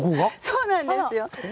そうなんですよ。